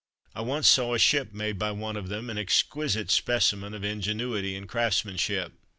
I once saw a ship made by one of them an exquisite specimen of ingenuity and craftsmanship.